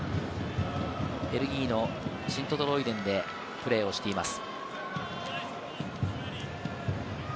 ベルギーのシントトロイデンでプレーをしています。